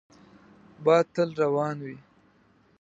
باد تل روان وي